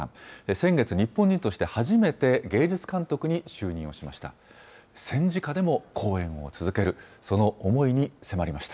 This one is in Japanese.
先月、日本人として初めて、芸術監督に就任をしました。